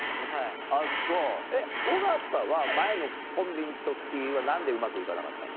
あっそうえっ尾形は前のコンビの時は何でうまく行かなかったの？